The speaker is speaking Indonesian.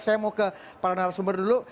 saya mau ke para narasumber dulu